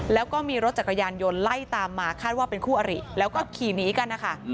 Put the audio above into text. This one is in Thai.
แล้วก็มีรถจักรยานยนต์ไล่ตามมาคาดว่าเป็นคู่อริแล้วก็ขี่หนีกันนะคะ